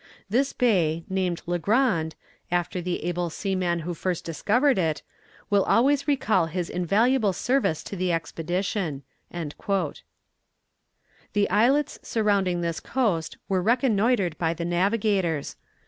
This bay, named Legrand, after the able seaman who first discovered it, will always recall his invaluable service to the expedition." The islets surrounding this coast were reconnoitred by the navigators.